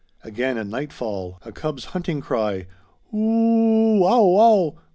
Again, at nightfall, a cub's hunting cry, _ooooo, ow ow!